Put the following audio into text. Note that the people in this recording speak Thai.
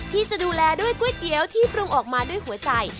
ที่จะดูแลด้วยก๋วยเตี๋ยวที่ปรุงออกมาด้วยหัวใจ